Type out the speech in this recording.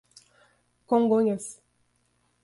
Congonhas